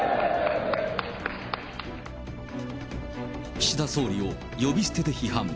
岸田総理を呼び捨てで批判。